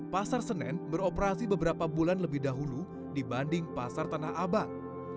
pasar senen beroperasi beberapa bulan lebih dahulu dibanding pasar tanah abang